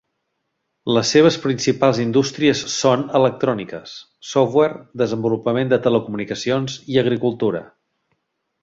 Les seves principals indústries són electròniques, software, desenvolupament de telecomunicacions i agricultura.